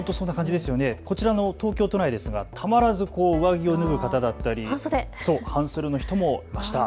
こちら、東京都内ですがたまらず上着を脱ぐ方だったり半袖の人もいました。